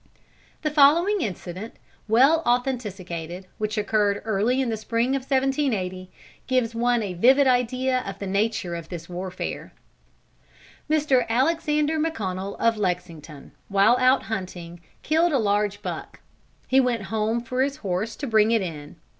The following incident, well authenticated, which occurred early in the spring of 1780, gives one a vivid idea of the nature of this warfare: "Mr. Alexander McConnel of Lexington, while out hunting, killed a large buck. He went home for his horse to bring it in.